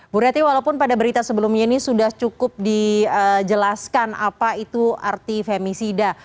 bu rety walaupun pada berita sebelumnya ini sudah cukup dijelaskan apa itu arti femisida